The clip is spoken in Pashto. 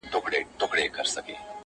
لټوي د نجات لاري او غارونه!.